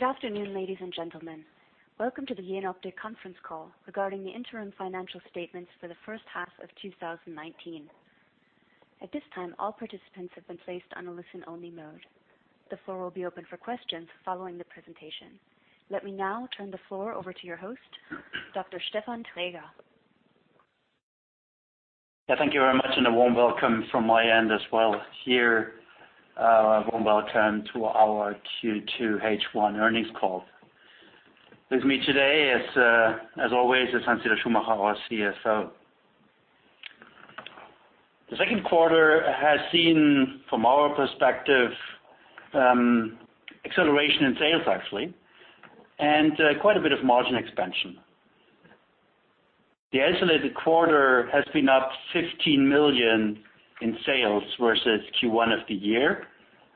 Good afternoon, ladies and gentlemen. Welcome to the Jenoptik conference call regarding the interim financial statements for the first half of 2019. At this time, all participants have been placed on a listen-only mode. The floor will be open for questions following the presentation. Let me now turn the floor over to your host, Dr. Stefan Traeger. Thank you very much, and a warm welcome from my end as well here. A warm welcome to our Q2 H1 earnings call. With me today, as always, is Hans-Dieter Schumacher, our CFO. The second quarter has seen, from our perspective, acceleration in sales, actually, and quite a bit of margin expansion. The isolated quarter has been up 15 million in sales versus Q1 of the year,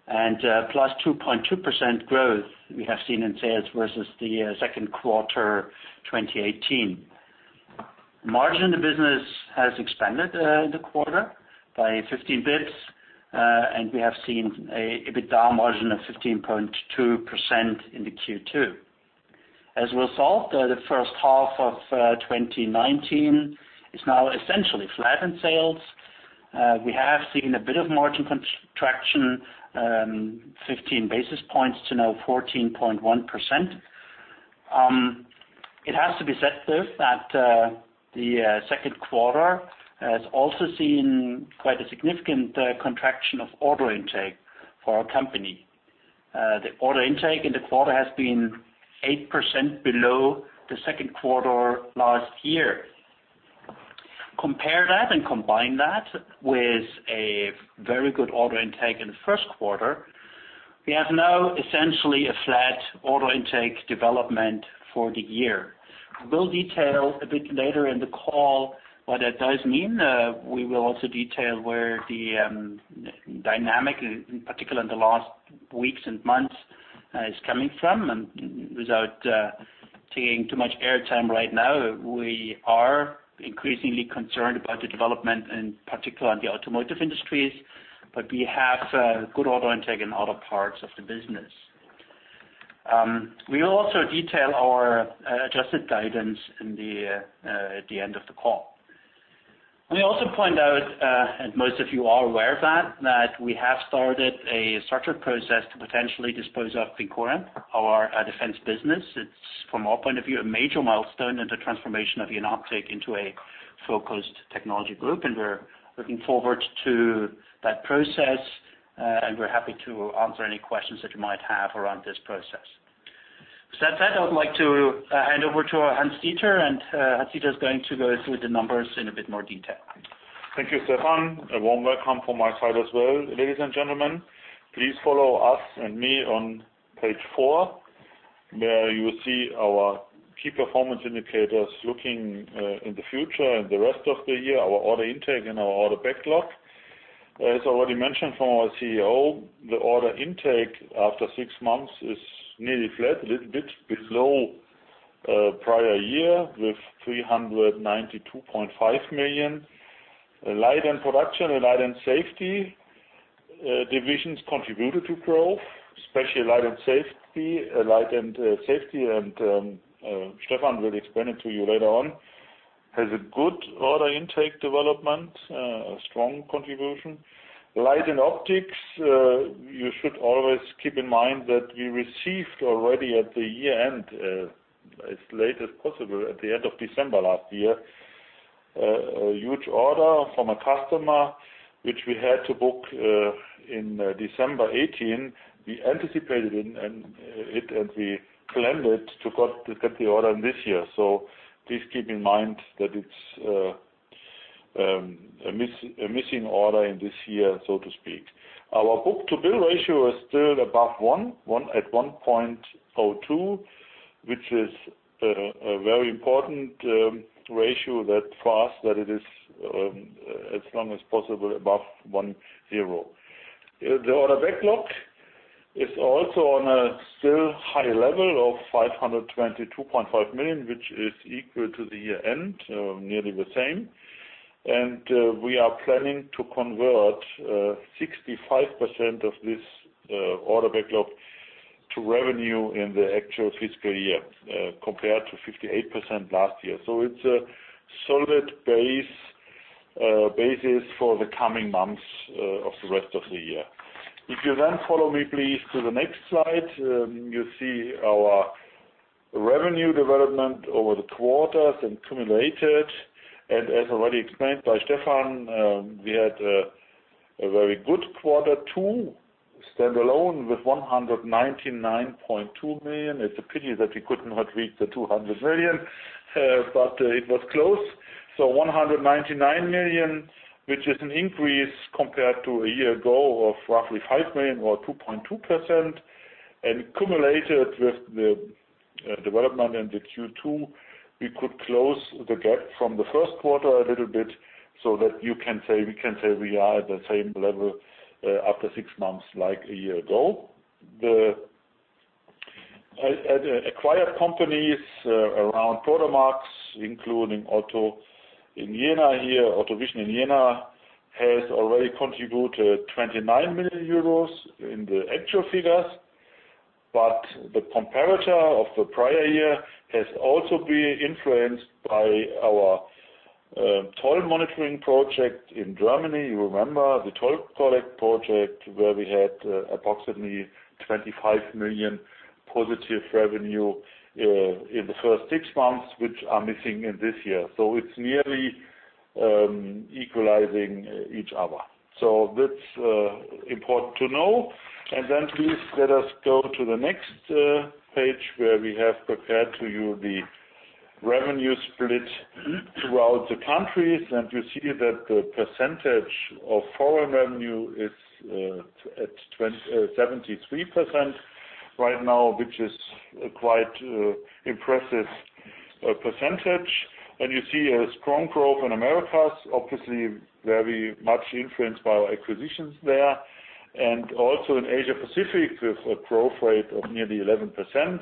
and plus 2.2% growth we have seen in sales versus the second quarter 2018. Margin in the business has expanded the quarter by 15 basis points, and we have seen an EBITDA margin of 15.2% in the Q2. As a result, the first half of 2019 is now essentially flat in sales. We have seen a bit of margin contraction, 15 basis points to now 14.1%. It has to be said, though, that the second quarter has also seen quite a significant contraction of order intake for our company. The order intake in the quarter has been 8% below the second quarter last year. Compare that and combine that with a very good order intake in the first quarter. We have now essentially a flat order intake development for the year. We'll detail a bit later in the call what that does mean. We will also detail where the dynamic, in particular in the last weeks and months, is coming from. Without taking too much air time right now, we are increasingly concerned about the development, in particular in the automotive industries, but we have good order intake in other parts of the business. We will also detail our adjusted guidance at the end of the call. Let me also point out, and most of you are aware of that we have started a structured process to potentially dispose of VINCORION, our defense business. We're, from our point of view, a major milestone in the transformation of Jenoptik into a focused technology group, and we're looking forward to that process. We're happy to answer any questions that you might have around this process. With said that, I would like to hand over to Hans-Dieter, and Hans-Dieter is going to go through the numbers in a bit more detail. Thank you, Stefan. A warm welcome from my side as well. Ladies and gentlemen, please follow us and me on page four, where you will see our key performance indicators looking in the future and the rest of the year, our order intake and our order backlog. As already mentioned from our CEO, the order intake after six months is nearly flat, a little bit below prior year, with 392.5 million. Light & Production and Light & Safety Divisions contributed to growth, especially Light & Safety. Stefan will explain it to you later on, has a good order intake development, a strong contribution. Light & Optics, you should always keep in mind that we received already at the year-end, as late as possible, at the end of December last year, a huge order from a customer which we had to book in December 2018. We anticipated it, and we planned it to get the order in this year. Please keep in mind that it's a missing order in this year, so to speak. Our book-to-bill ratio is still above 1, at 1.02, which is a very important ratio for us that it is as long as possible above [1.0]. The order backlog is also on a still high level of 522.5 million, which is equal to the year-end, nearly the same. We are planning to convert 65% of this order backlog to revenue in the actual fiscal year, compared to 58% last year. It's a solid basis for the coming months of the rest of the year. If you follow me, please, to the next slide. You see our revenue development over the quarters and cumulated. As already explained by Stefan, we had a very good quarter two standalone with 199.2 million. It's a pity that we could not reach the 200 million, but it was close. 199 million, which is an increase compared to a year ago of roughly 5 million or 2.2%. Cumulated with the development in the Q2, we could close the gap from the first quarter a little bit so that we can say we are at the same level after six months, like a year ago. The acquired companies around Prodomax, including Otto in Jena here, Otto Vision in Jena has already contributed 29 million euros in the actual figures. The comparator of the prior year has also been influenced by our toll monitoring project in Germany. You remember the Toll Collect project where we had approximately 25 million positive revenue in the first six months, which are missing in this year. It's nearly equalizing each other. That's important to know. Please let us go to the next page where we have prepared to you the revenue split throughout the countries. You see that the percentage of foreign revenue is at 73% right now, which is a quite impressive percentage. You see a strong growth in Americas, obviously very much influenced by our acquisitions there. Also in Asia Pacific, with a growth rate of nearly 11%.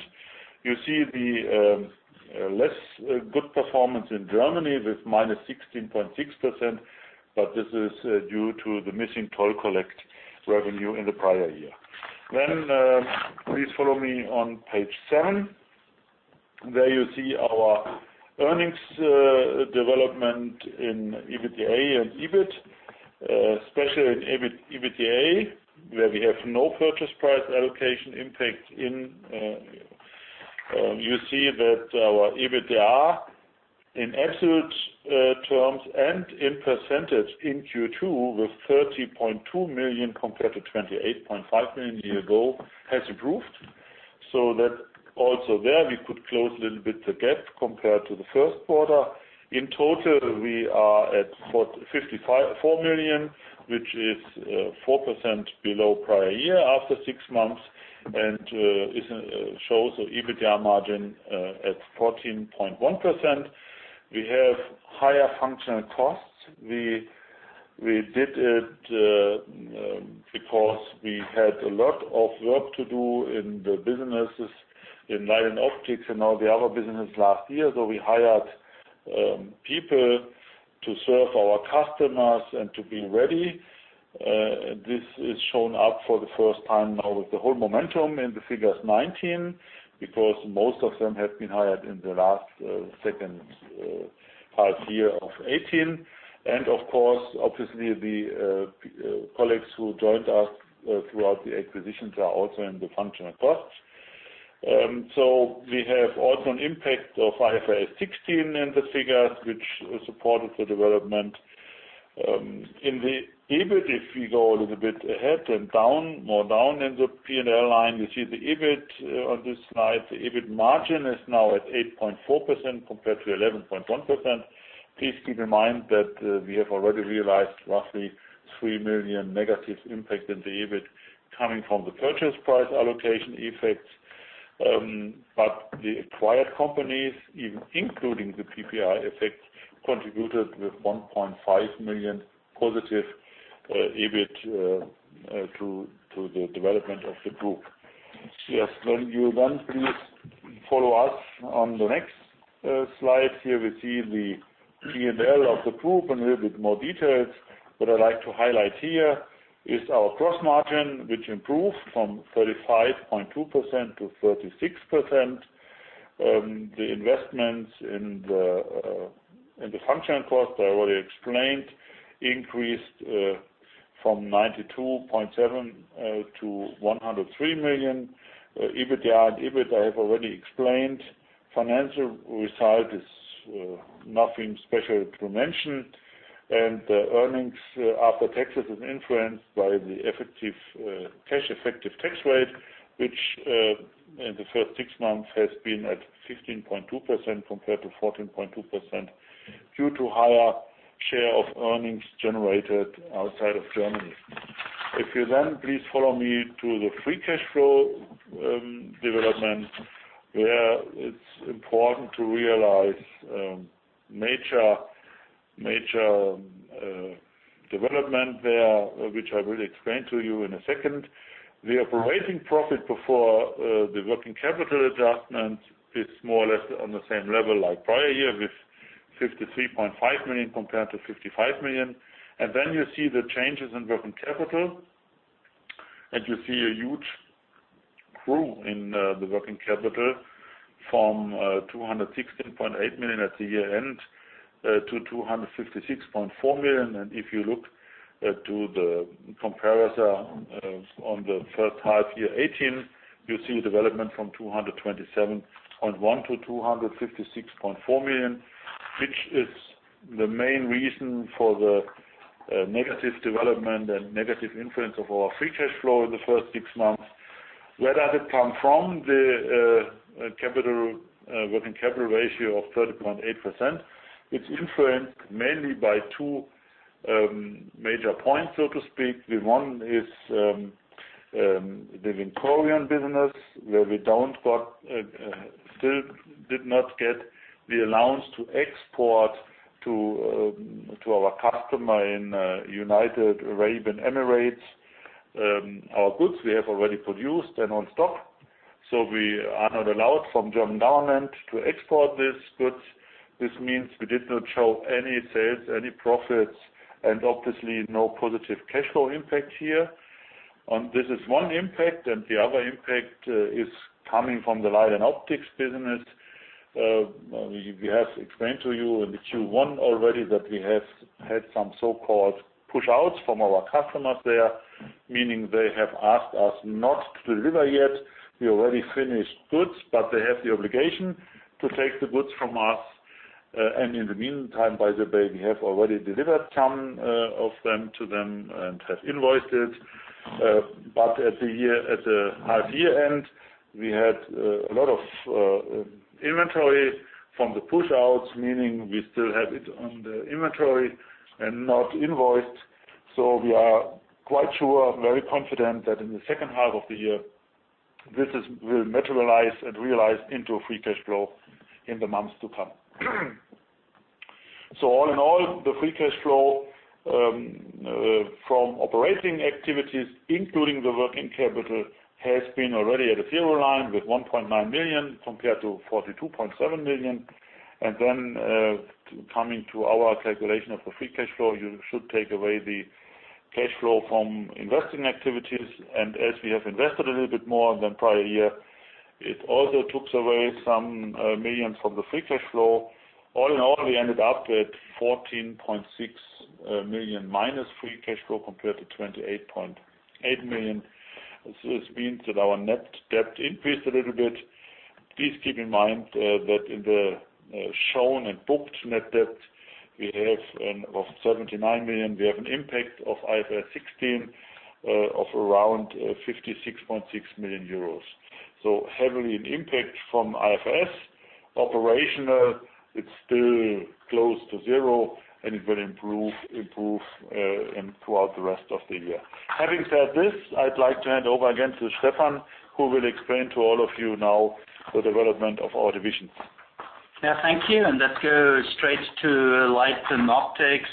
You see the less good performance in Germany with -16.6%, but this is due to the missing Toll Collect revenue in the prior year. Please follow me on page seven. There you see our earnings development in EBITDA and EBIT, especially in EBITDA, where we have no purchase price allocation impact. You see that our EBITDA in absolute terms and in percentage in Q2 with 30.2 million compared to 28.5 million a year ago, has improved. That also there we could close a little bit the gap compared to the first quarter. In total, we are at 54 million, which is 4% below prior year after six months and it shows EBITDA margin at 14.1%. We have higher functional costs. We did it because we had a lot of work to do in the businesses in Light & Optics and all the other business last year. We hired people to serve our customers and to be ready. This is shown up for the first time now with the whole momentum in the figures 2019 because most of them have been hired in the last second half year of 2018. Of course, obviously the colleagues who joined us throughout the acquisitions are also in the functional costs. We have also an impact of IFRS 16 in the figures, which supported the development. In the EBIT, if we go a little bit ahead and more down in the P&L line, you see the EBIT on this slide. The EBIT margin is now at 8.4% compared to 11.1%. Please keep in mind that we have already realized roughly 3 million negative impact in the EBIT coming from the purchase price allocation effects. The acquired companies, including the PPA effect, contributed with 1.5 million positive EBIT to the development of the group. Yes. When you please follow us on the next slide. Here we see the P&L of the group in a little bit more details. What I like to highlight here is our gross margin, which improved from 35.2% to 36%. The investments in the functional cost, I already explained, increased from 92.7 million to 103 million. EBITDA and EBIT, I have already explained. Financial result is nothing special to mention. The earnings after taxes is influenced by the effective cash effective tax rate, which in the first six months has been at 15.2% compared to 14.2% due to higher share of earnings generated outside of Germany. If you please follow me to the free cash flow development, where it's important to realize major development there, which I will explain to you in a second. The operating profit before the working capital adjustment is more or less on the same level like prior year with 53.5 million compared to 55 million. Then you see the changes in working capital, you see a huge growth in the working capital from 216.8 million at the year-end to 256.4 million. If you look to the comparator on the first half year 2018, you see a development from 227.1 million to 256.4 million, which is the main reason for the negative development and negative influence of our free cash flow in the first six months. Where does it come from? The working capital ratio of 30.8%. It's influenced mainly by two major points, so to speak. The one is the VINCORION business where we still did not get the allowance to export to our customer in United Arab Emirates. Our goods we have already produced and on stock. We are not allowed from German government to export these goods. This means we did not show any sales, any profits, and obviously no positive cash flow impact here. This is one impact. The other impact is coming from the Light & Optics business. We have explained to you in the Q1 already that we have had some so-called push-outs from our customers there, meaning they have asked us not to deliver yet the already finished goods, but they have the obligation to take the goods from us. In the meantime, by the way, we have already delivered some of them to them and have invoiced it. At the half-year end, we had a lot of inventory from the push-outs, meaning we still have it on the inventory and not invoiced. We are quite sure, very confident that in the second half of the year, this will materialize and realize into a free cash flow in the months to come. All in all, the free cash flow from operating activities, including the working capital, has been already at a zero line with 1.9 million compared to 42.7 million. Coming to our calculation of the free cash flow, you should take away the cash flow from investing activities. As we have invested a little bit more than prior year, it also took away some millions from the free cash flow. All in all, we ended up with 14.6 million minus free cash flow compared to 28.8 million. This means that our net debt increased a little bit. Please keep in mind that in the shown and booked net debt we have of 79 million, we have an impact of IFRS 16 of around 56.6 million euros. Heavily an impact from IFRS. Operational, it's still close to zero, and it will improve throughout the rest of the year. Having said this, I'd like to hand over again to Stefan, who will explain to all of you now the development of our divisions. Yeah, thank you. Let's go straight to Light & Optics,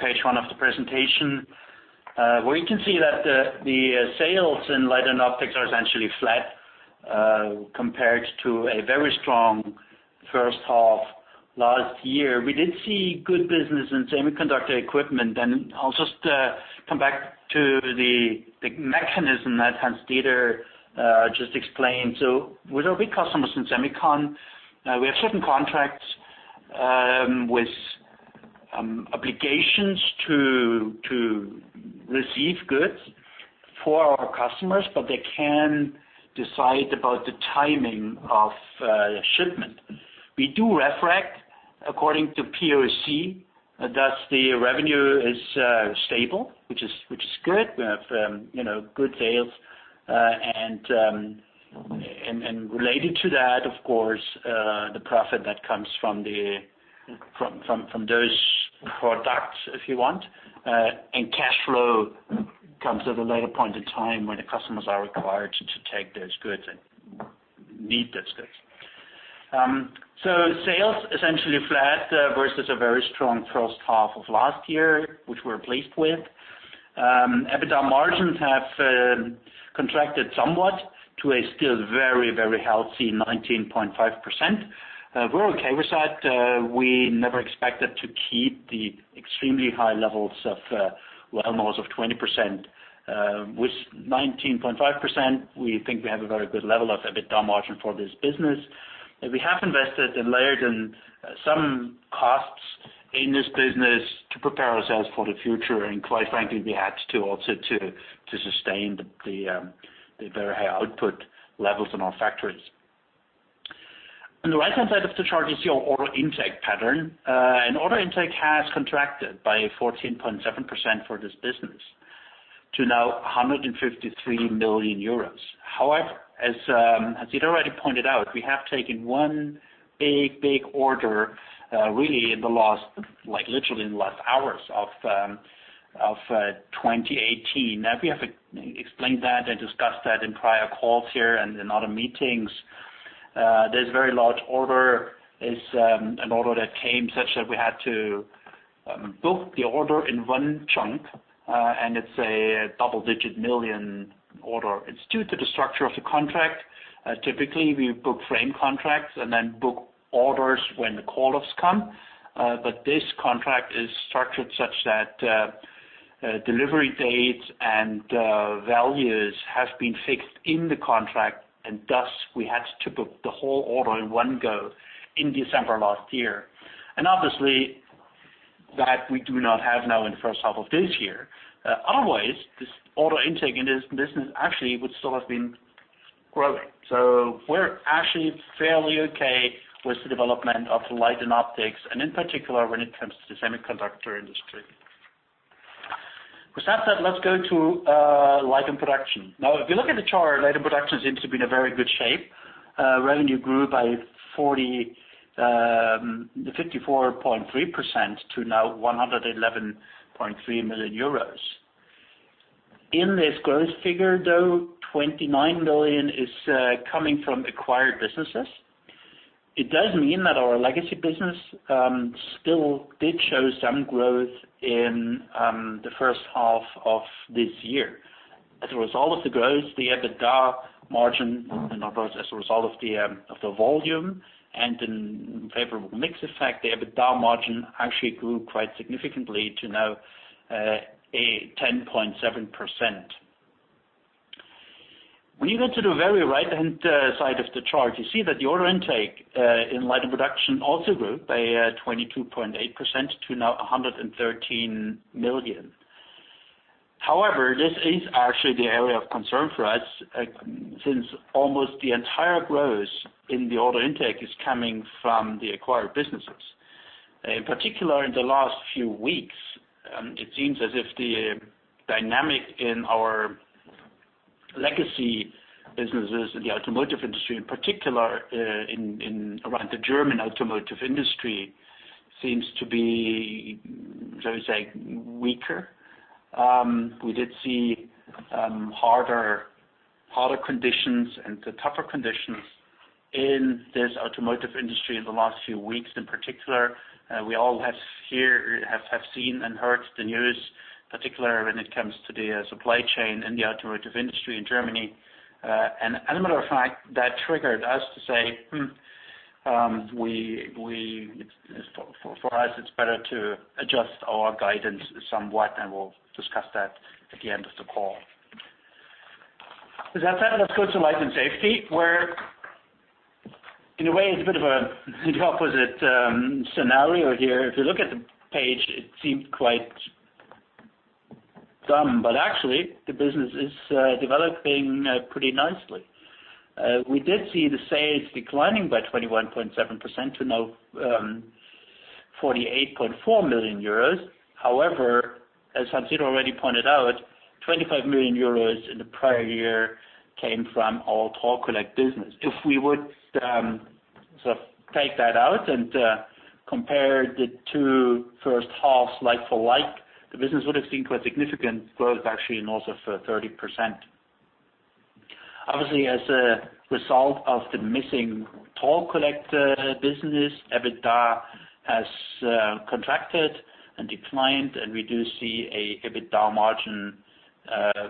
page one of the presentation, where you can see that the sales in Light & Optics are essentially flat compared to a very strong first half last year. We did see good business in semiconductor equipment. I'll just come back to the mechanism that Hans-Dieter just explained. With our big customers in semicon, we have certain contracts with obligations to receive goods for our customers, but they can decide about the timing of shipment. We do recognize according to POC. Thus, the revenue is stable, which is good. We have good sales. Related to that, of course, the profit that comes from those products, if you want, and cash flow comes at a later point in time when the customers are required to take those goods and need those goods. Sales essentially flat versus a very strong first half of last year, which we're pleased with. EBITDA margins have contracted somewhat to a still very, very healthy 19.5%. We're okay with that. We never expected to keep the extremely high levels of, well, almost of 20%. With 19.5%, we think we have a very good level of EBITDA margin for this business. We have invested and layered in some costs in this business to prepare ourselves for the future. Quite frankly, we had to also to sustain the very high output levels in our factories. On the right-hand side of the chart is your order intake pattern. Order intake has contracted by 14.7% for this business to now 153 million euros. However, as Hans-Dieter already pointed out, we have taken one big, big order, really in the last, literally in the last hours of 2018. Now we have explained that and discussed that in prior calls here and in other meetings. This very large order is an order that came such that we had to book the order in one chunk, and it's a double-digit million order. It's due to the structure of the contract. Typically, we book frame contracts and then book orders when the call-offs come. This contract is structured such that delivery dates and values have been fixed in the contract, and thus we had to book the whole order in one go in December last year. Obviously, that we do not have now in the first half of this year. Otherwise, this order intake in this business actually would still have been growing. We're actually fairly okay with the development of Light & Optics and in particular when it comes to the semiconductor industry. With that said, let's go to Light & Production. If you look at the chart, Light & Production seems to be in a very good shape. Revenue grew by 54.3% to now 111.3 million euros. In this gross figure, though, 29 million is coming from acquired businesses. It does mean that our legacy business still did show some growth in the first half of this year. As a result of the growth, the EBITDA margin, and as a result of the volume and the favorable mix effect, the EBITDA margin actually grew quite significantly to now 10.7%. When you go to the very right-hand side of the chart, you see that the order intake in Light & Production also grew by 22.8% to now 113 million. However, this is actually the area of concern for us, since almost the entire growth in the order intake is coming from the acquired businesses. In particular, in the last few weeks, it seems as if the dynamic in our legacy businesses in the automotive industry, in particular around the German automotive industry, seems to be, shall we say, weaker. We did see harder conditions and tougher conditions in this automotive industry in the last few weeks, in particular. We all have seen and heard the news, particularly when it comes to the supply chain in the automotive industry in Germany. As a matter of fact, that triggered us to say, "Hmm, for us, it's better to adjust our guidance somewhat," and we'll discuss that at the end of the call. With that said, let's go to Light & Safety, where in a way it's a bit of an opposite scenario here. If you look at the page, it seems quite dumb, but actually the business is developing pretty nicely. We did see the sales declining by 21.7% to now 48.4 million euros. However, as Hans-Dieter already pointed out, 25 million euros in the prior year came from our Toll Collect business. If we would take that out and compare the two first halves like for like, the business would have seen quite significant growth actually in also 30%. Obviously, as a result of the missing Toll Collect business, EBITDA has contracted and declined, and we do see an EBITDA margin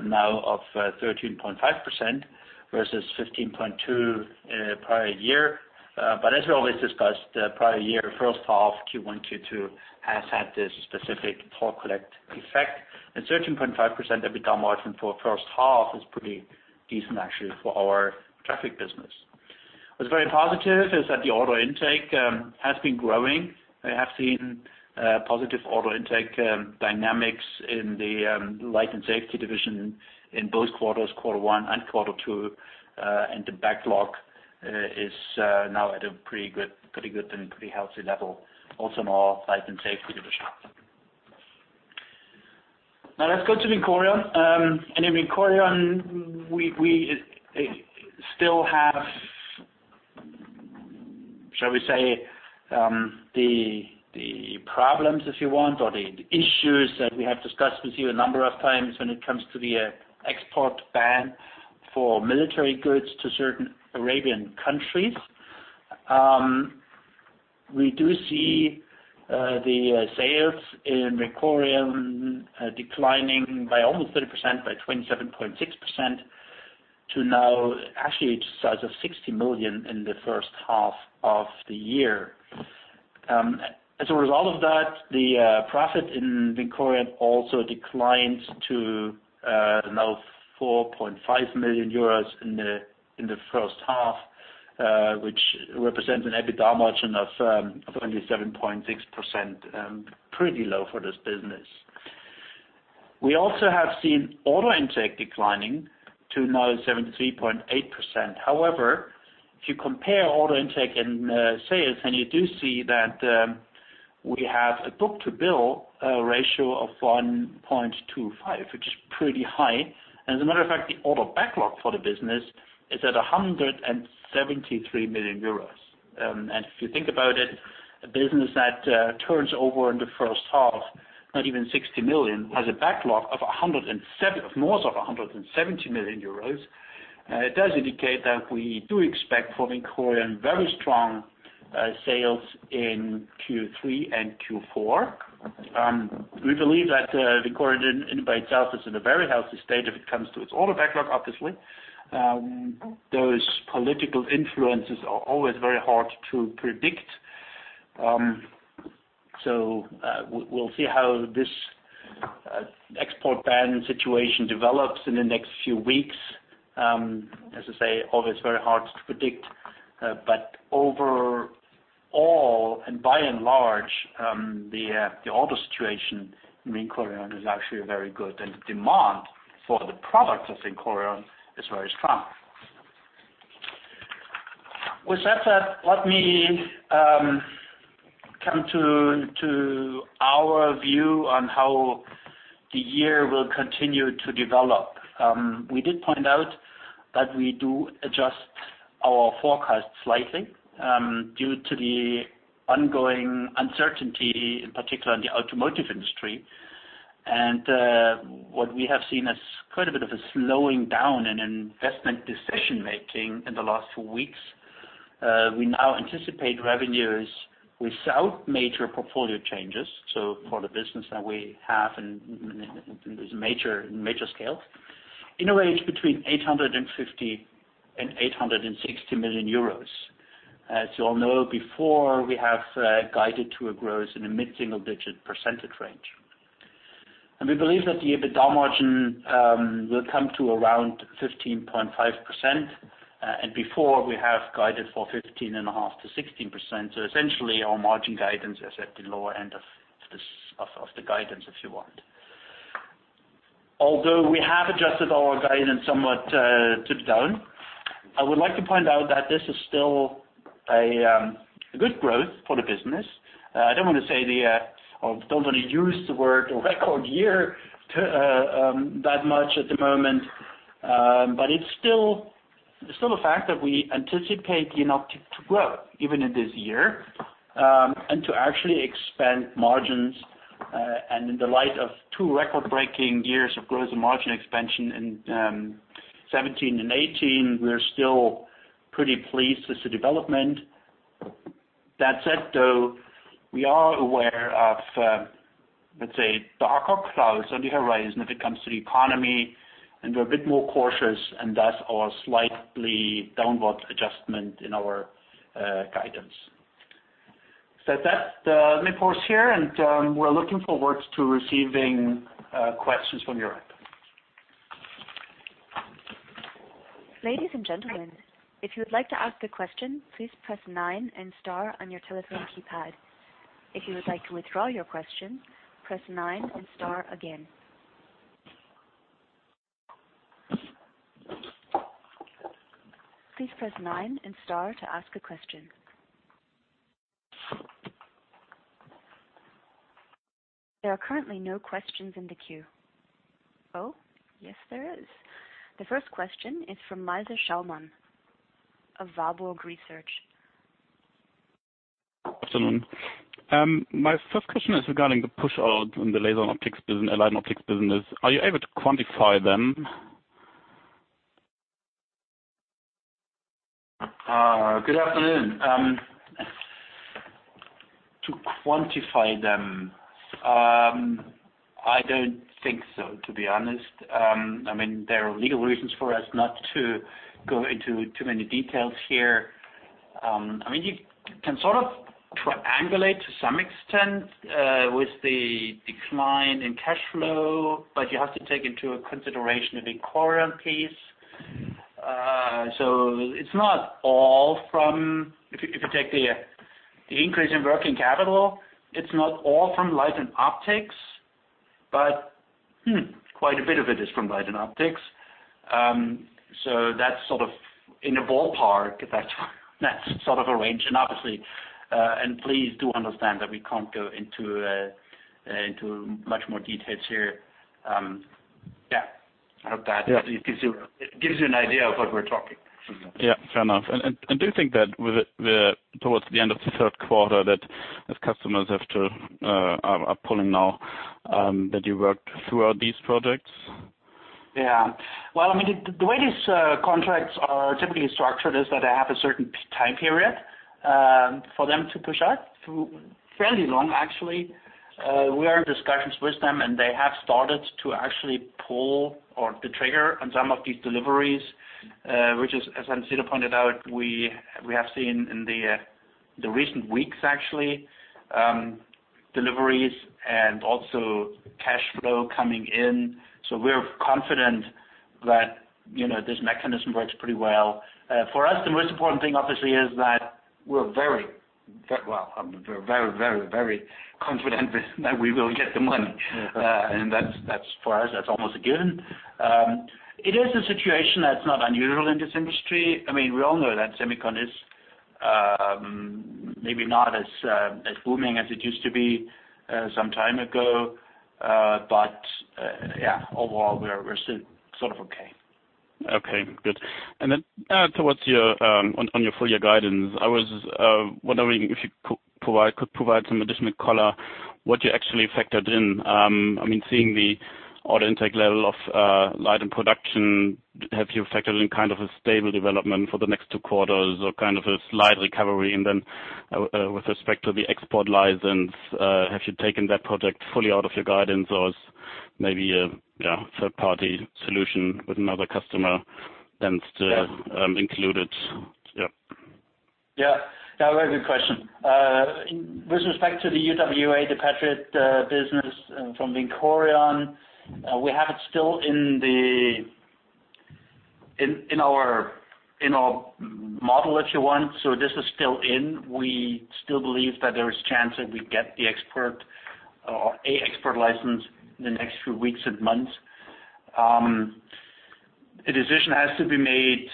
now of 13.5% versus 15.2% prior year. As we always discussed, prior year first half Q1 2022 has had this specific Toll Collect effect, and 13.5% EBITDA margin for first half is pretty decent actually for our traffic business. What's very positive is that the order intake has been growing. We have seen positive order intake dynamics in the Light & Safety division in both quarters, quarter one and quarter two. The backlog is now at a pretty good and pretty healthy level, also in our Light & Safety division. Let's go to VINCORION. In VINCORION we still have, shall we say, the problems, if you want, or the issues that we have discussed with you a number of times when it comes to the export ban for military goods to certain Arabian countries. We do see the sales in VINCORION declining by almost 30%, by 27.6% to now actually to size of 60 million in the first half of the year. As a result of that, the profit in VINCORION also declined to now 4.5 million euros in the first half, which represents an EBITDA margin of only 7.6%, pretty low for this business. We also have seen order intake declining to now 73.8%. However, if you compare order intake and sales, and you do see that we have a book-to-bill ratio of 1.25, which is pretty high. As a matter of fact, the order backlog for the business is at 173 million euros. If you think about it, a business that turns over in the first half, not even 60 million, has a backlog of more of 170 million euros. It does indicate that we do expect from VINCORION very strong sales in Q3 and Q4. We believe that VINCORION in by itself is in a very healthy state if it comes to its order backlog, obviously. We'll see how this export ban situation develops in the next few weeks. As I say, always very hard to predict. Overall, and by and large, the order situation in VINCORION is actually very good and the demand for the product of VINCORION is very strong. With that said, let me come to our view on how the year will continue to develop. We did point out that we do adjust our forecast slightly due to the ongoing uncertainty, in particular in the automotive industry. What we have seen is quite a bit of a slowing down in investment decision-making in the last weeks. We now anticipate revenues without major portfolio changes, so for the business that we have in this major scale, in a range between 850 million and 860 million euros. As you all know, before, we have guided to a growth in the mid-single digit percentage range. We believe that the EBITDA margin will come to around 15.5%, and before we have guided for 15.5% to 16%. Essentially, our margin guidance is at the lower end of the guidance, if you want. Although we have adjusted our guidance somewhat to down, I would like to point out that this is still a good growth for the business. I don't want to use the word record year that much at the moment, but it's still a fact that we anticipate Jenoptik to grow even in this year, and to actually expand margins. In the light of two record-breaking years of growth and margin expansion in 2017 and 2018, we're still pretty pleased with the development. That said, though, we are aware of, let's say, darker clouds on the horizon when it comes to the economy, and we're a bit more cautious, and thus our slightly downward adjustment in our guidance. With that, let me pause here, and we're looking forward to receiving questions from your end. Ladies and gentlemen, if you would like to ask a question, please press nine and star on your telephone keypad. If you would like to withdraw your question, press nine and star again. Please press nine and star to ask a question. There are currently no questions in the queue. Oh, yes there is. The first question is from Malte Schaumann of Warburg Research. Good afternoon. My first question is regarding the push-out in the laser and allied optics business. Are you able to quantify them? Good afternoon. To quantify them, I don't think so, to be honest. There are legal reasons for us not to go into too many details here. You can sort of triangulate to some extent with the decline in cash flow, but you have to take into consideration the VINCORION piece. If you take the increase in working capital, it's not all from Light & Optics, but quite a bit of it is from Light & Optics. That's sort of in the ballpark, that sort of a range. Please do understand that we can't go into much more details here. Yeah. I hope that gives you an idea of what we're talking. Yeah, fair enough. Do you think that towards the end of the third quarter, that as customers are pulling now, that you worked throughout these projects? Yeah. Well, the way these contracts are typically structured is that they have a certain time period for them to push out. Fairly long, actually. We are in discussions with them, and they have started to actually pull the trigger on some of these deliveries, which is, as Hans-Dieter pointed out, we have seen in the recent weeks, actually, deliveries and also cash flow coming in. We're confident that this mechanism works pretty well. For us, the most important thing, obviously, is that we're very confident that we will get the money. For us, that's almost a given. It is a situation that's not unusual in this industry. We all know that semicon is maybe not as booming as it used to be some time ago. Yeah, overall, we're still sort of okay. Okay, good. Towards on your full year guidance, I was wondering if you could provide some additional color what you actually factored in. Seeing the order intake level of Light & Production, have you factored in a stable development for the next two quarters or a slight recovery? With respect to the export license, have you taken that project fully out of your guidance or is maybe a third-party solution with another customer then still included? Yeah. Yeah. Very good question. With respect to the UWA, the Patriot business from VINCORION, we have it still in our model, if you want. This is still in. We still believe that there is chance that we get an export license in the next few weeks and months. A decision has to be made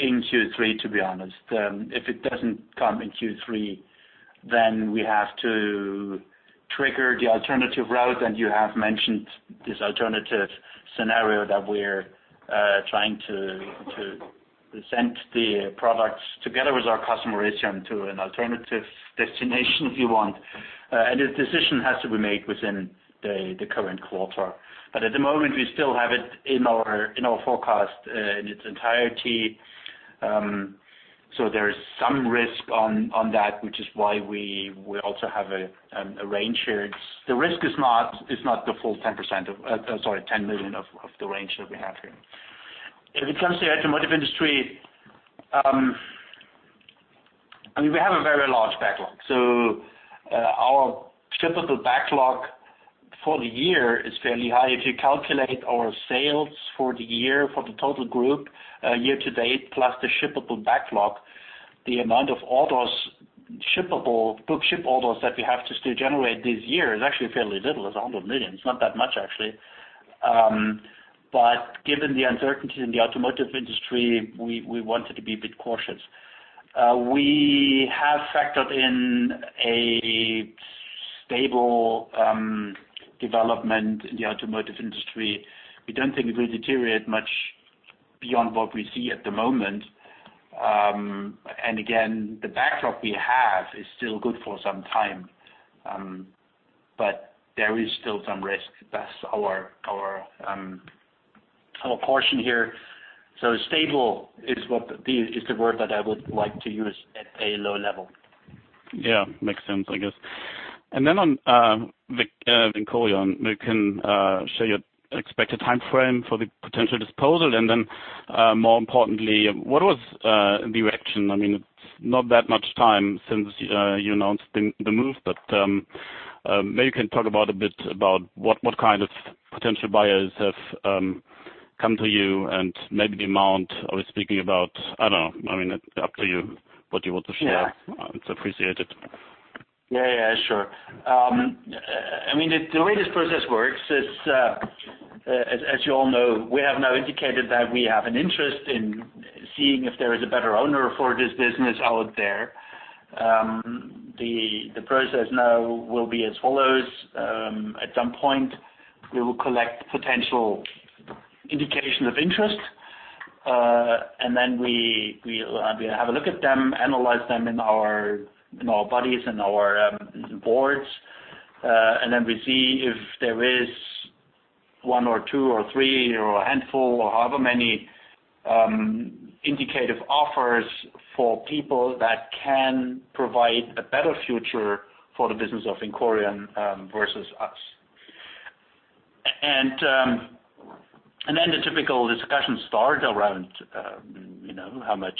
in Q3, to be honest. If it doesn't come in Q3, then we have to trigger the alternative route, you have mentioned this alternative scenario that we're trying to present the products together with our customer, Raytheon, to an alternative destination, if you want. The decision has to be made within the current quarter. At the moment, we still have it in our forecast in its entirety. There is some risk on that, which is why we also have a range here. The risk is not the full 10%, sorry, 10 million of the range that we have here. If it comes to the automotive industry, we have a very large backlog. Our shippable backlog for the year is fairly high. If you calculate our sales for the year for the total group year to date, plus the shippable backlog, the amount of all those book ship orders that we have to still generate this year is actually fairly little. It's 100 million. It's not that much, actually. Given the uncertainty in the automotive industry, we wanted to be a bit cautious. We have factored in a stable development in the automotive industry. We don't think it will deteriorate much beyond what we see at the moment. Again, the backdrop we have is still good for some time. There is still some risk. That's our portion here. Stable is the word that I would like to use at a low level. Yeah. Makes sense, I guess. On VINCORION, maybe you can share your expected timeframe for the potential disposal, and then more importantly, what was the reaction? It's not that much time since you announced the move, but maybe you can talk a bit about what kind of potential buyers have come to you and maybe the amount are we speaking about. I don't know. Up to you what you want to share. Yeah. It's appreciated. Yeah. Sure. The way this process works is, as you all know, we have now indicated that we have an interest in seeing if there is a better owner for this business out there. The process now will be as follows. At some point, we will collect potential indication of interest, then we'll have a look at them, analyze them in our bodies and our boards. Then we see if there is one or two or three or a handful or however many indicative offers for people that can provide a better future for the business of VINCORION versus us. Then the typical discussions start around how much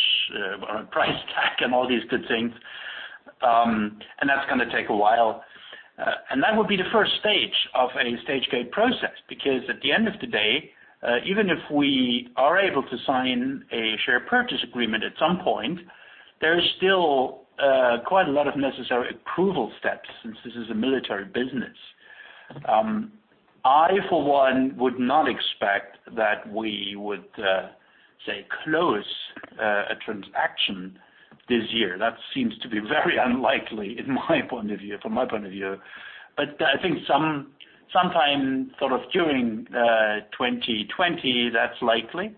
around price tag and all these good things. That's gonna take a while. That would be the first stage of a stage gate process, because at the end of the day, even if we are able to sign a share purchase agreement at some point, there is still quite a lot of necessary approval steps since this is a military business. I, for one, would not expect that we would, say, close a transaction this year. That seems to be very unlikely from my point of view. I think sometime during 2020, that's likely.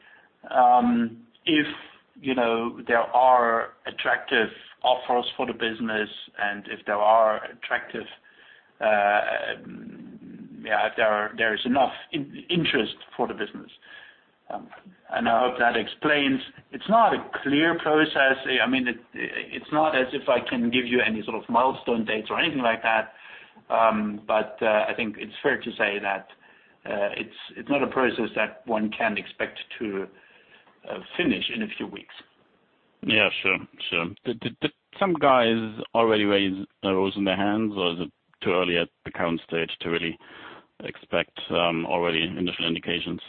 If there are attractive offers for the business and if there is enough interest for the business. I hope that explains, it's not a clear process. It's not as if I can give you any sort of milestone dates or anything like that. I think it's fair to say that it's not a process that one can expect to finish in a few weeks. Yeah, sure. Did some guys already raise a hand in their hands, or is it too early at the current stage to really expect already initial indications?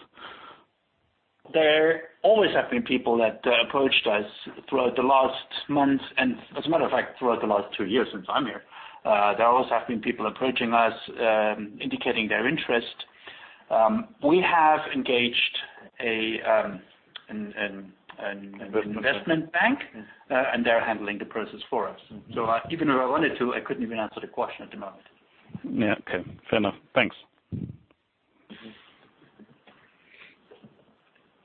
There always have been people that approached us throughout the last month, and as a matter of fact, throughout the last two years since I'm here. There always have been people approaching us, indicating their interest. We have engaged. Investment bank. investment bank. They're handling the process for us. Even if I wanted to, I couldn't even answer the question at the moment. Yeah. Okay. Fair enough. Thanks.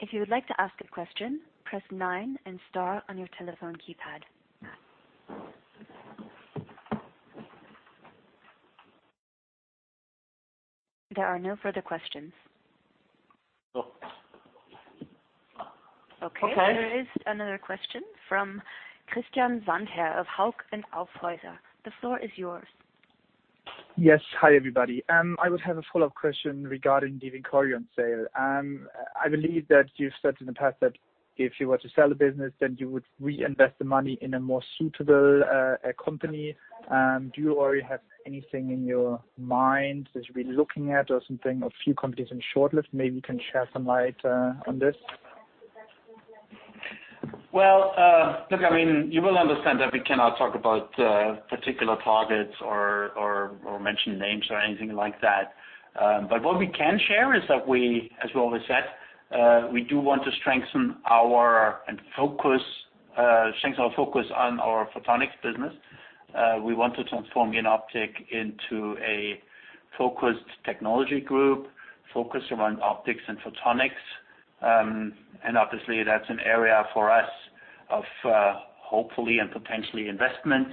If you would like to ask a question, press nine and star on your telephone keypad. There are no further questions. Okay. Okay. There is another question from Christian Sandherr of Hauck & Aufhäuser. The floor is yours. Yes. Hi, everybody. I would have a follow-up question regarding the VINCORION sale. I believe that you've said in the past that if you were to sell the business, you would reinvest the money in a more suitable company. Do you already have anything in your mind that you've been looking at or something, a few companies in shortlist, maybe you can share some light on this? Well, look, you will understand that we cannot talk about particular targets or mention names or anything like that. What we can share is that we, as we always said, we do want to strengthen our focus on our photonics business. We want to transform Jenoptik into a focused technology group, focused around optics and photonics. Obviously, that's an area for us of hopefully and potentially investment.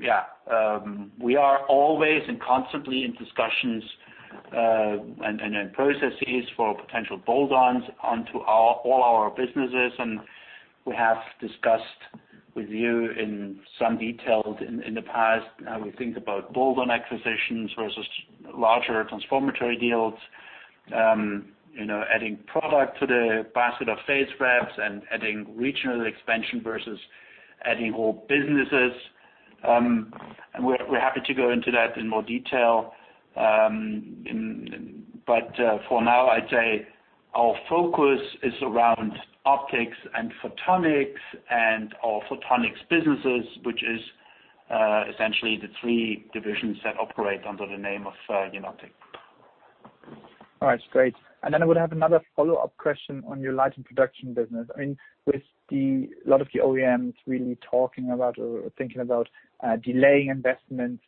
Yeah, we are always and constantly in discussions, and in processes for potential bolt-ons onto all our businesses, and we have discussed with you in some detail in the past, how we think about bolt-on acquisitions versus larger transformatory deals. Adding product to the basket of phase reps and adding regional expansion versus adding whole businesses. We are happy to go into that in more detail. For now, I'd say our focus is around optics and photonics and our photonics businesses, which is essentially the three divisions that operate under the name of Jenoptik. All right. Great. I would have another follow-up question on your Light & Production business. With a lot of the OEMs really talking about or thinking about delaying investments,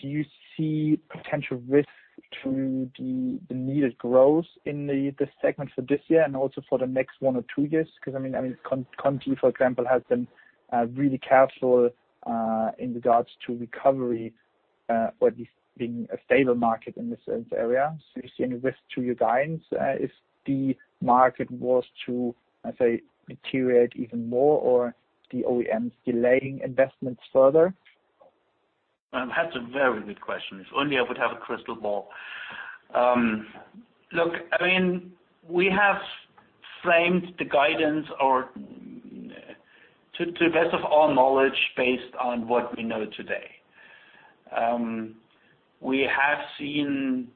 do you see potential risk to the needed growth in the segment for this year and also for the next one or two years? Continental, for example, has been really careful in regards to recovery, or at least being a stable market in this area. You're seeing a risk to your guidance, if the market was to, let's say, deteriorate even more or the OEMs delaying investments further? That's a very good question. If only I would have a crystal ball. Look, we have framed the guidance to the best of our knowledge based on what we know today. We have seen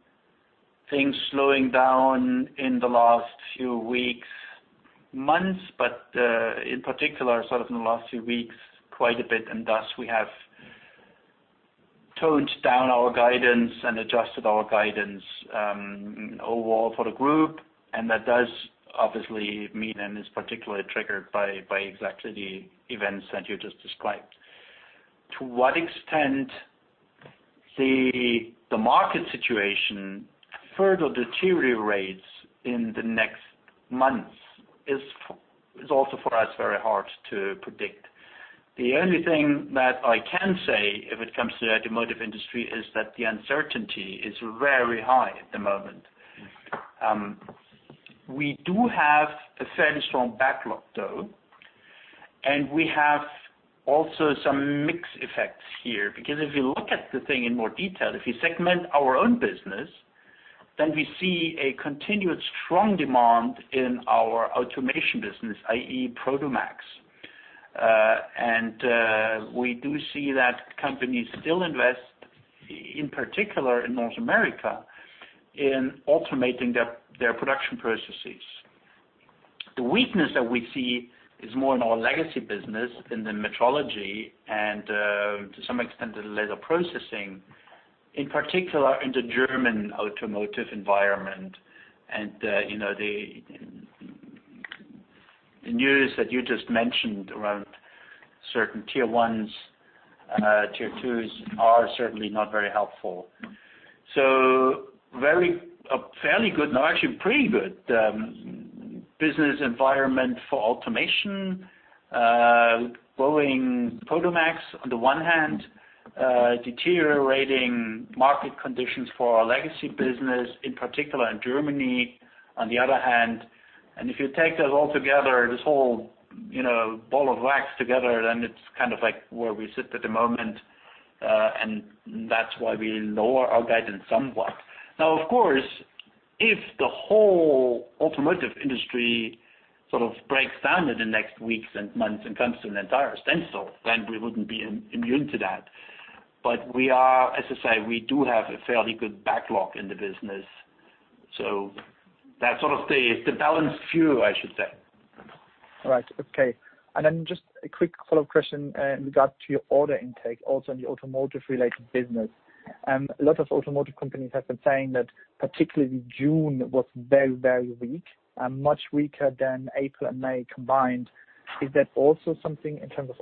things slowing down in the last few weeks, months, but, in particular, sort of in the last few weeks, quite a bit, and thus we have toned down our guidance and adjusted our guidance, overall for the group. That does obviously mean and is particularly triggered by exactly the events that you just described. To what extent the market situation further deteriorates in the next months is also for us very hard to predict. The only thing that I can say if it comes to the automotive industry is that the uncertainty is very high at the moment. We do have a fairly strong backlog though. We have also some mix effects here. If you look at the thing in more detail, if you segment our own business, then we see a continued strong demand in our automation business, i.e. Prodomax. We do see that companies still invest, in particular in North America, in automating their production processes. The weakness that we see is more in our legacy business in the metrology and, to some extent, the laser processing, in particular in the German automotive environment. The news that you just mentioned around certain tier ones, tier twos are certainly not very helpful. Fairly good, no, actually pretty good business environment for automation. Growing Prodomax on the one hand, deteriorating market conditions for our legacy business, in particular in Germany, on the other hand. If you take that all together, this whole ball of wax together, then it's kind of like where we sit at the moment. That's why we lower our guidance somewhat. Now, of course, if the whole automotive industry sort of breaks down in the next weeks and months and comes to an entire standstill, then we wouldn't be immune to that. We are, as I say, we do have a fairly good backlog in the business. That's sort of the balanced view, I should say. All right. Okay. Just a quick follow-up question in regard to your order intake, also in the automotive related business. A lot of automotive companies have been saying that particularly June was very, very weak and much weaker than April and May combined. Is that also something in terms of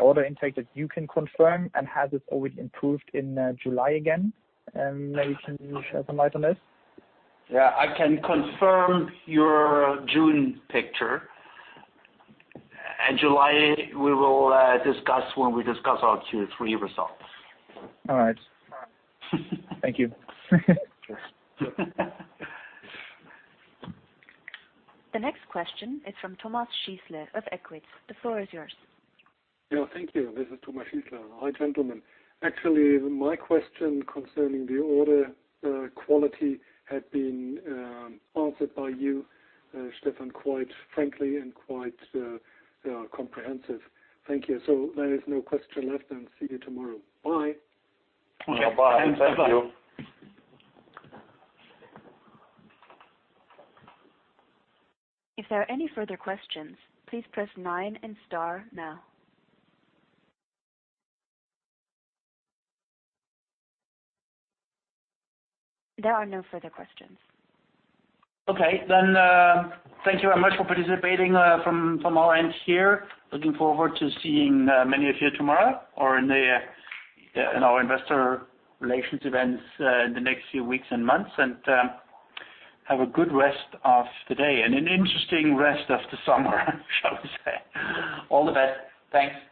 order intake that you can confirm? Has this already improved in July again? Maybe can you shed some light on this? Yeah. I can confirm your June picture. July we will discuss when we discuss our Q3 results. All right. Thank you. Yes. The next question is from Thomas Schießle of EQUI.TS. The floor is yours. Yeah. Thank you. This is Thomas Schießle. Hi, gentlemen. Actually, my question concerning the order quality had been answered by you, Stefan, quite frankly and quite comprehensive. Thank you. There is no question left, and see you tomorrow. Bye. Bye. Thank you. If there are any further questions, please press nine and star now. There are no further questions. Okay, thank you very much for participating from our end here. Looking forward to seeing many of you tomorrow or in our investor relations events in the next few weeks and months. Have a good rest of the day and an interesting rest of the summer, shall we say. All the best. Thanks. Great.